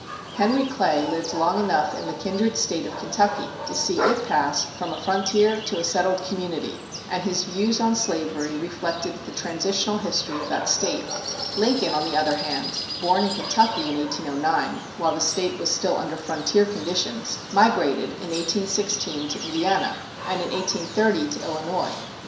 Henry Clay lived long enough in the kindred State of Kentucky to see it pass from a frontier to a settled community, and his views on slavery reflected the transitional history of that State. Lincoln, on the other hand, born in Kentucky in 1809, while the State was still under frontier conditions, migrated in 1816 to Indiana, and in 1830 to Illinois.